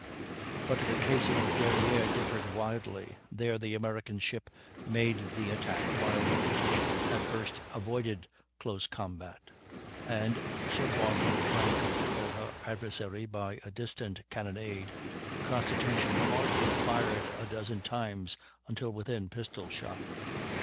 But the case of the Guerrière differed widely. There the American ship made the attack, while the British at first avoided close combat; and, so far from trying to cripple her adversary by a distant cannonade, the Constitution hardly fired a dozen times until within pistol shot.